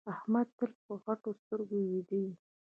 احمد تل په غټو سترګو ويده وي.